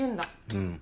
うん。